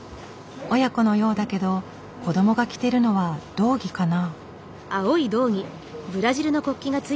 親子のようだけど子どもが着てるのは道着かな？